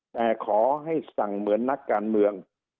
แต่ขอให้สั่งเหมือนนักการเมือง